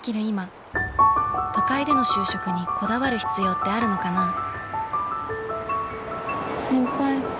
今都会での就職にこだわる必要ってあるのかな？